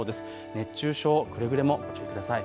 熱中症、くれぐれもご注意ください。